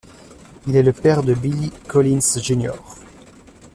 Il est le père de Billy Collins jr.